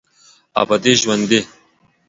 ابدي ژوندي